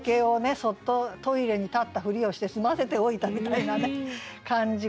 そっとトイレに立ったふりをして済ませておいたみたいな感じが。